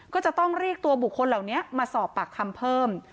ก็จะต้องเรียกตัวบุคคลเหล่านี้มาสอบปากคำเพิ่ม